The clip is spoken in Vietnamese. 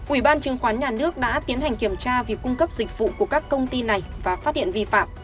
ủy ban chứng khoán nhà nước đã tiến hành kiểm tra việc cung cấp dịch vụ của các công ty này và phát hiện vi phạm